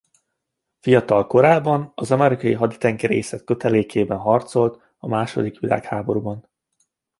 Fiatal korában az amerikai haditengerészet kötelékében harcolt a második világháborúban.